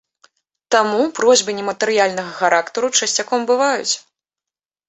Таму просьбы нематэрыяльнага характару часцяком бываюць.